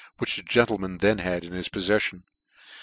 which the gentleman then had in his poflefiion.